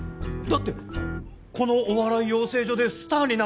だってこのお笑い養成所でスターになろう！